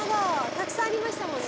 たくさんありましたもんね。